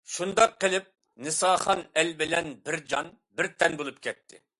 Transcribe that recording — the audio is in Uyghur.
شۇنداق قىلىپ، نىساخان ئەل بىلەن بىر جان، بىر تەن بولۇپ كەتتى.